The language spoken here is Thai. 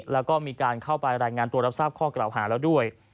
แล้วก็มีการเข้าไปรายงานตัวรับทราบข้อกล่าวหาแล้วด้วย